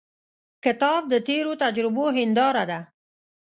کتاب د تیرو تجربو هنداره ده.